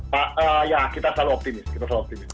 pak ya kita selalu optimis kita selalu optimis